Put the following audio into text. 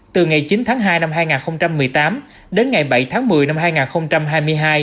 từ ngày chín tháng hai năm hai nghìn một mươi tám đến ngày bảy tháng một mươi năm hai nghìn hai mươi hai